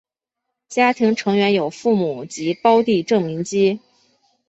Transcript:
家庭成员有父母及胞弟郑民基。